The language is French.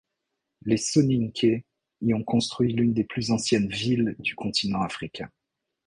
Les Soninkés y ont construit l'une des plus anciennes villes du continent africain.